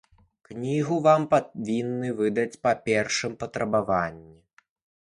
Кнігу вам павінны выдаць па першым патрабаванні.